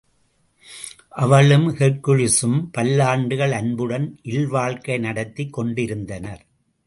அவளும் ஹெர்க்குலிஸும் பல்லாண்டுகள் அன்புடன் இல் வாழ்க்கை நடத்திக் கொண்டிருந்தனர்.